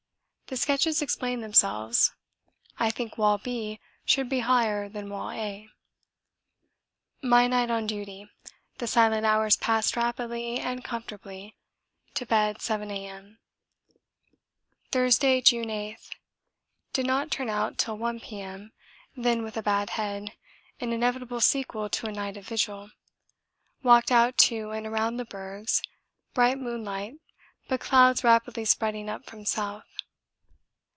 The sketches explain themselves. I think wall 'b' should be higher than wall 'a.' My night on duty. The silent hours passed rapidly and comfortably. To bed 7 A.M. Thursday, June 8. Did not turn out till 1 P.M., then with a bad head, an inevitable sequel to a night of vigil. Walked out to and around the bergs, bright moonlight, but clouds rapidly spreading up from south.